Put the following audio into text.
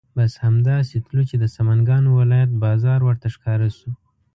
بس همدا سې تلو چې د سمنګانو ولایت بازار ورته ښکاره شو.